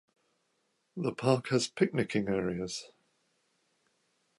The park has picnicking areas.